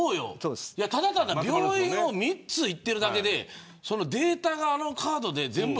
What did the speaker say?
ただただ病院を３つ行ってるだけでデータがあのカードで全部。